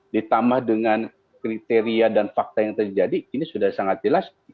ditambah dengan kriteria dan fakta yang terjadi ini sudah sangat jelas